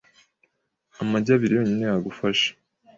Amagi abiri yonyine yagufasha.